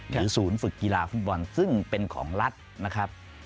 ศูนย์ฝึกกีฬาฟุตบอลซึ่งเป็นของรัฐนะครับ